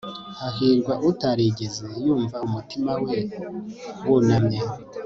hahirwa utarigeze yumva umutima we wunamye